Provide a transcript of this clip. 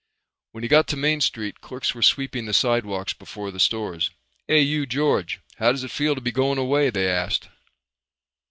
When he got to Main Street clerks were sweeping the sidewalks before the stores. "Hey, you George. How does it feel to be going away?" they asked.